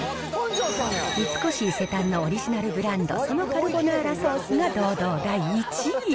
三越伊勢丹のオリジナルブランド、そのカルボナーラソースが堂々第１位。